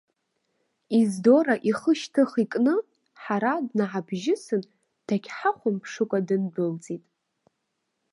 Ездора ихы шьҭых икны, ҳара днаҳабжьысын, дагьҳахәамԥшыкәа дындәылҵит.